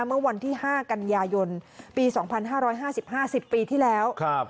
เมื่อวันที่๕กันยายนปี๒๕๕๕๐ปีที่แล้ว